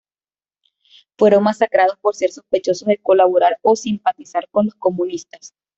Fueron masacrados por ser sospechosos de colaborar o simpatizar con los comunistas.